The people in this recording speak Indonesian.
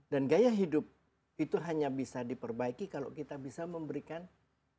dan gaya hidup itu hanya bisa diperbaiki kalau kita bisa memberikan edukasi